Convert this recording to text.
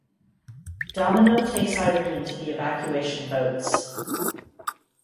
Domino takes Irene to the evacuation boats.